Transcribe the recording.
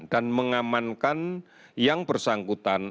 dan mengamankan yang bersangkutan